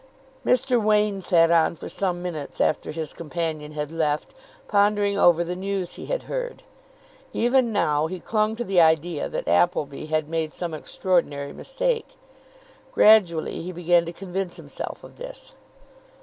Mr. Wain sat on for some minutes after his companion had left, pondering over the news he had heard. Even now he clung to the idea that Appleby had made some extraordinary mistake. Gradually he began to convince himself of this.